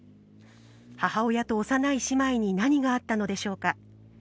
母親と幼い姉妹に、何があったのでしょうか。